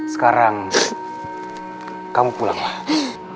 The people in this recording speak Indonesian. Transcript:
sekarang kamu pulanglah